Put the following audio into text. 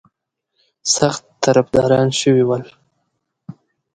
سخت طرفداران شوي ول.